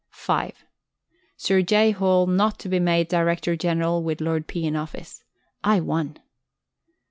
(5) Sir J. Hall not to be made Director General while Lord P. in office. _I won.